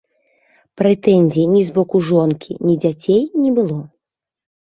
Прэтэнзій ні з боку жонкі, ні дзяцей не было.